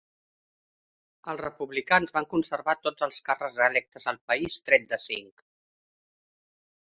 Els Republicans van conservar tots els càrrecs electes al país, tret de cinc.